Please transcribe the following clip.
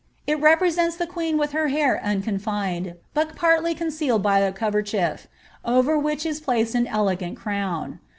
It represents the queen with her hair unconfined, but partly concealed by the coverchief, over which is placed an elegant crown.